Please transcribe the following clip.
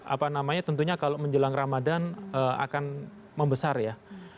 apa namanya tentunya kalau menjelang ramadan akan membesar ya